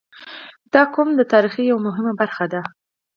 • دا قوم د تاریخ یوه مهمه برخه ده.